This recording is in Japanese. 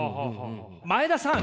前田さん